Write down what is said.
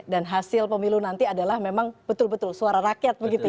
dan hasil pemilu nanti adalah memang betul betul suara rakyat begitu ya